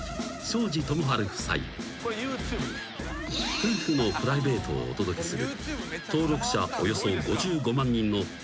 ［夫婦のプライベートをお届けする］